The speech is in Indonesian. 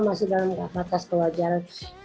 masih dalam kewajaran